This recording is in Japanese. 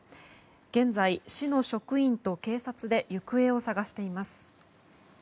現在、市の職員と警察で行方を捜しています。